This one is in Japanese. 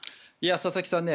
佐々木さんね